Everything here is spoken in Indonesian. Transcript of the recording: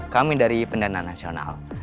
kami dari pendana nasional